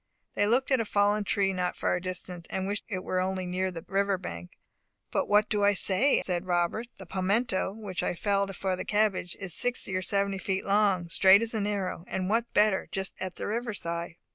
They looked at a fallen tree not far distant, and wished it were only near the river bank. "But what do I say?" said Robert. "The palmetto, which I felled for the cabbage, is sixty or seventy feet long, straight as an arrow, and what is better, just at the river side."